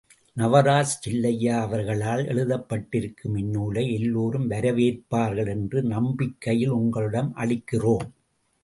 நவராஜ் செல்லையா அவர்களால் எழுதப்பட்டிருக்கும் இந்நூலை, எல்லோரும் வரவேற்பார்கள் என்ற நம்பிக்கையில் உங்களிடம் அளிக்கிறோம்.